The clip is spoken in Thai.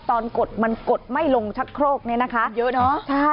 ตอนกดมันกดไม่ลงชะโครกเนี้ยนะคะ